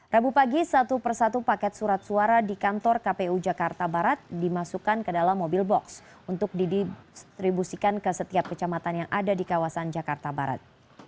rabu pagi satu persatu paket surat suara di kantor kpu jakarta barat dimasukkan ke dalam mobil box untuk didistribusikan ke setiap kecamatan yang ada di kawasan jakarta barat